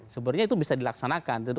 sebenarnya itu bisa dilaksanakan